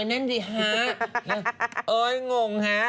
เอ้ยนั่นสิฮะเอ้ยงงฮะ